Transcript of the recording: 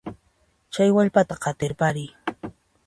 Chay wallpata qatirpariy.